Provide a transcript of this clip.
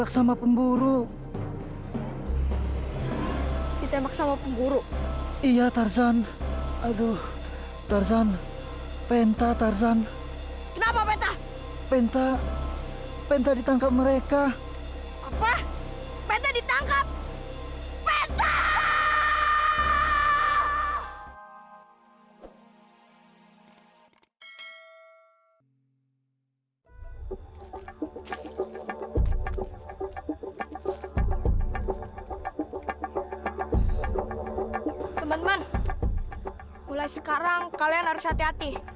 sampai jumpa di video selanjutnya